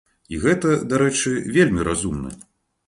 І гэта, дарэчы, вельмі разумна.